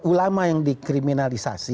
ulama yang dikriminalisasi